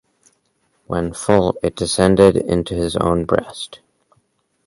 When full, it descended into his own breast.